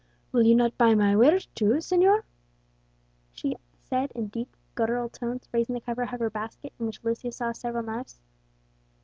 "Will you not buy my wares too, señor?" she said in deep guttural tones, raising the cover of her basket, in which Lucius saw several knives.